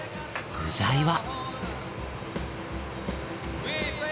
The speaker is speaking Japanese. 具材は。